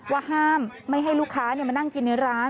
ว่าห้ามไม่ให้ลูกค้ามานั่งกินในร้าน